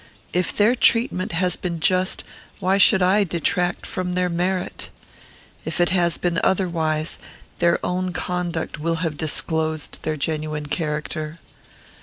If their treatment has been just, why should I detract from their merit? If it has been otherwise, their own conduct will have disclosed their genuine character.